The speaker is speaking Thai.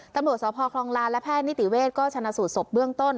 ตำรวจสพคลองลานและแพทย์นิติเวทก็ชนะสูตรศพเบื้องต้น